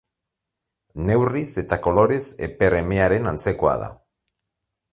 Neurriz eta kolorez eper emearen antzekoa da.